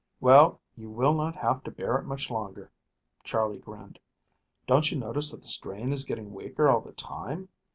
"Well, you will not have to bear it much longer," Charley grinned. "Don't you notice that the strain is getting weaker all the time?